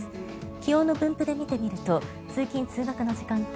気温の分布で見てみると通勤・通学の時間帯